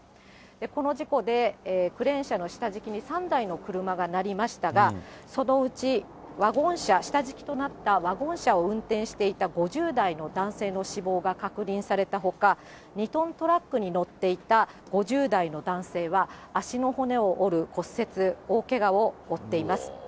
この事故でクレーン車の下敷きに３台の車がなりましたが、そのうちワゴン車、下敷きとなったワゴン車を運転していた５０代の男性の死亡が確認されたほか、２トントラックに乗っていた５０代の男性は足の骨を折る骨折、大けがを負っています。